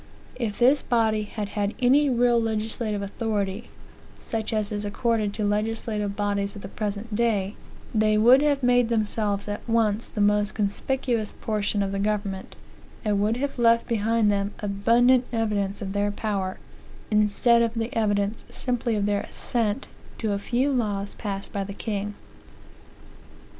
If this body had had any real legislative authority, such as is accorded to legislative bodies of the present day, they would have made themselves at once the most conspicuous portion of the government, and would have left behind them abundant evidence of their power, instead of the evidence simply of their assent to a few laws passed by the king.